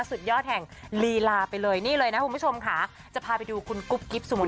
สุดยอดแห่งลีลาไปเลยนี่เลยนะคุณผู้ชมค่ะจะพาไปดูคุณกุ๊บกิ๊บสมุท